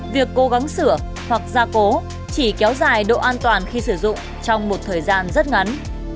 việc cố gắng sửa hoặc gia cố chỉ kéo dài độ an toàn khi sử dụng trong một thời gian rất ngắn